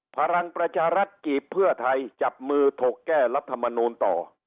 พลังประชารัฐจีบเพื่อไทยจับมือถกแก้รัฐมนูลต่อ